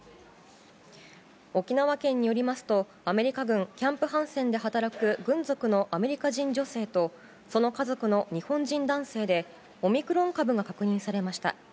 沖縄県によりますとアメリカ軍キャンプ・ハンセンで働く軍属のアメリカ人女性とその家族の日本人男性でオミクロン株が確認されました。